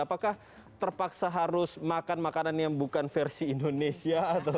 apakah terpaksa harus makan makanan yang bukan versi indonesia